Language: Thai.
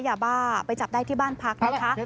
ยาบ้าไปจับได้ที่บ้านพักนะคะ